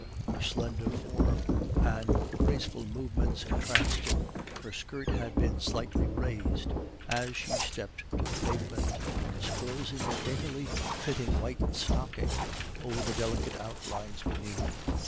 Her slender form and graceful movements entranced him. Her skirt had been slightly raised as she stepped to the pavement, disclosing a daintily fitting white stocking over the delicate outlines beneath.